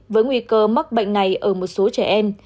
với nguy cơ mắc bệnh này ở một số trẻ em